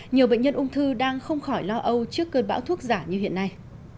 nhiều bệnh nhân ung thư đang không khỏi lo âu trước cơn bão thuốc giả như hiện nay